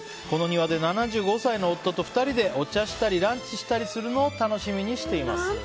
この庭で７５歳の夫と２人でお茶したりランチしたりするのを楽しみにしています。